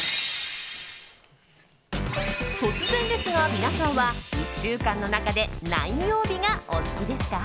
突然ですが、皆さんは１週間の中で何曜日がお好きですか？